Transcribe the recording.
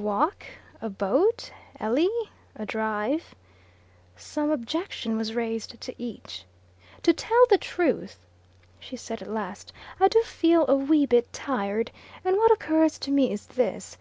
A walk? A boat? Ely? A drive? Some objection was raised to each. "To tell the truth," she said at last, "I do feel a wee bit tired, and what occurs to me is this.